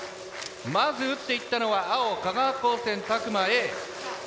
まず撃っていったのは青香川高専詫間Ａ。